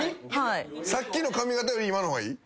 さっきの髪形より今の方がいい？